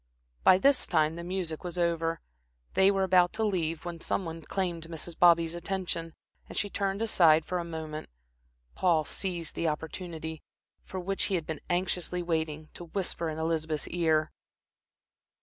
By this time the music was over. They were about to leave, when some one claimed Mrs. Bobby's attention, and she turned aside for a moment. Paul seized the opportunity, for which he had been anxiously waiting, to whisper in Elizabeth's ear.